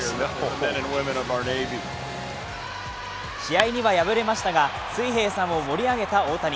試合には敗れましたが、水兵さんを盛り上げた大谷。